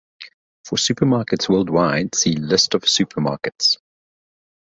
For supermarkets worldwide, see "List of supermarkets".